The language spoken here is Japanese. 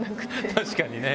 確かにね。